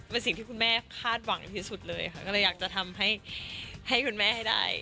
เป็นสิ่งที่คุณแม่คาดหวังในที่สุดเลยค่ะก็เลยอยากจะทำให้คุณแม่ให้ได้